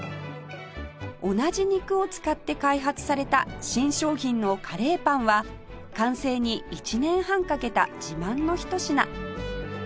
同じ肉を使って開発された新商品のカレーパンは完成に１年半かけた自慢の一品